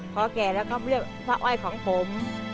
พ่อแก่แล้วก็เรียกพ่ออ้อยของผม